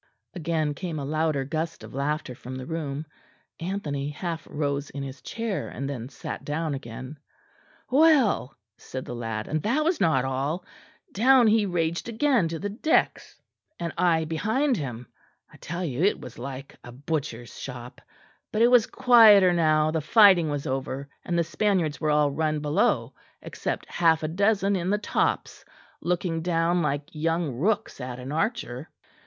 Again came a louder gust of laughter from the room. Anthony half rose in his chair, and then sat down again. "Well," said the lad, "and that was not all. Down he raged again to the decks and I behind him I tell you, it was like a butcher's shop but it was quieter now the fighting was over and the Spaniards were all run below, except half a dozen in the tops; looking down like young rooks at an archer.